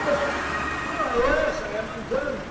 ] Alas, I am undone!